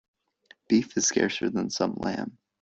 Beef is scarcer than some lamb.